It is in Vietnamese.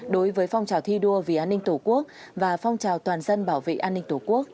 đối với phong trào thi đua vì an ninh tổ quốc và phong trào toàn dân bảo vệ an ninh tổ quốc